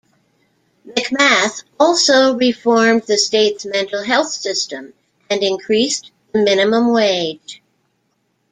McMath also reformed the state's mental health system and increased the minimum wage.